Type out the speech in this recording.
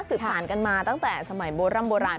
ศึกษากันมาตั้งแต่สมัยบนร่ำโบราณ